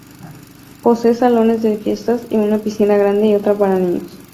Posee salones de fiestas y una piscina grande y otra para niños.